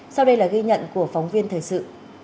sau đây là ghi nhận của phóng viên thời sự